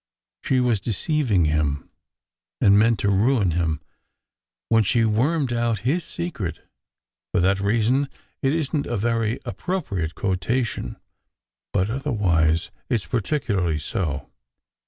She was deceiving him, and meant to ruin him when she d wormed out his secret; for that reason, it isn t a very appropriate quotation. But, otherwise, it s particularly so.